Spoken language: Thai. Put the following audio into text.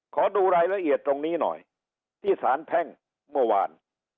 ขอดูรายละเอียดตรงนี้หน่อยที่สารแพ่งเมื่อวาน